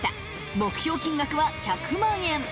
目標金額は１００万円。